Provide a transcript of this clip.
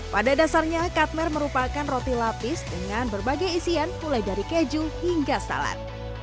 pada dasarnya cutmer merupakan roti lapis dengan berbagai isian mulai dari keju hingga salad